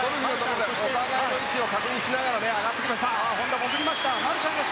お互いの位置を確認しながら上がってきました。